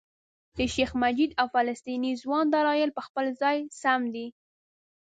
د شیخ مجید او فلسطیني ځوان دلایل په خپل ځای سم دي.